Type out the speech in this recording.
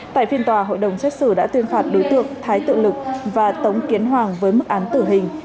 tại phiên tòa hội đồng xét xử đã tuyên phạt đối tượng thái tự lực và tống kiến hoàng với mức án tử hình